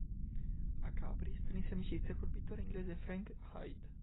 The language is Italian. A Capri strinse amicizia col pittore inglese Frank Hyde.